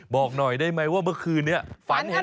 บอกหน่อยได้ไหมว่าเมื่อคืนนี้ฝันเห็น